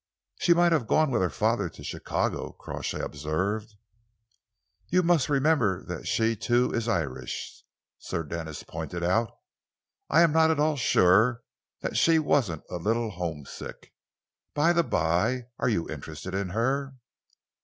"She might have gone with her father to Chicago," Crawshay observed. "You must remember that she, too, is Irish," Sir Denis pointed out. "I am not at all sure that she wasn't a little homesick. By the by, are you interested in her?"